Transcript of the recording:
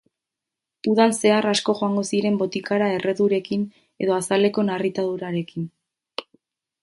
Udan zehar asko joango ziren botikara erredurekin edo azaleko narritadurarekin.